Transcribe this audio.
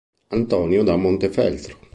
Antonio da Montefeltro